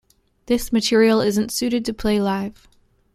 This material isn't suited to play live.